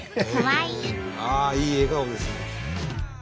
いい笑顔ですね。